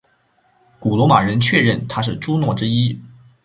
古罗马人确认她是朱诺之一。